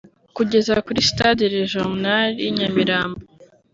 kugeza kuri Stade Regional y’i Nyamirambo